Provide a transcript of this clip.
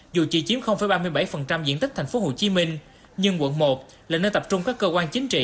dù chỉ chiếm ba mươi bảy diện tích tp hcm nhưng quận một là nơi tập trung các cơ quan chính trị